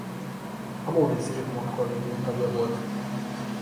A Móricz Zsigmond Kollégium tagja volt.